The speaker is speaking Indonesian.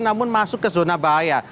namun masuk ke zona bahaya